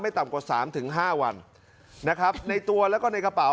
ต่ำกว่าสามถึงห้าวันนะครับในตัวแล้วก็ในกระเป๋า